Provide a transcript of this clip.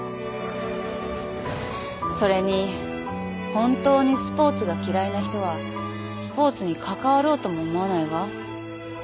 それに本当にスポーツが嫌いな人はスポーツに関わろうとも思わないわ。